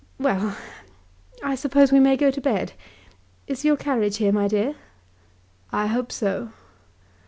Well, I suppose we may go to bed. Is your carriage here, my dear?" "I hope so."